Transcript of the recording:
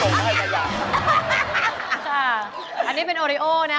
เอาของแดมมาชนของสวยอย่างงานตรงนี้ครับคุณแม่ตั๊ก